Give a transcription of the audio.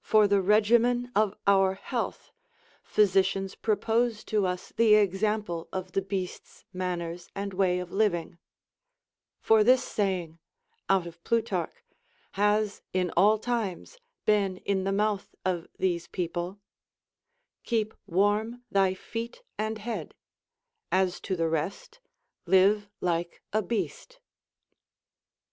For the regimen of our health, physicians propose to us the example of the beasts' manners and way of living; for this saying (out of Plutarch) has in all times been in the mouth of these people: "Keep warm thy feet and head, as to the rest, live like a beast."